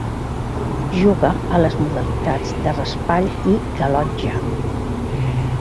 Juga a les modalitats de raspall i galotxa.